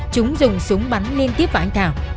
chúng dùng súng bắn liên tiếp vào anh thảo